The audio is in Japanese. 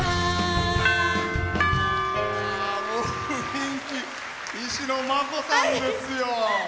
雰囲気が石野真子さんですよ。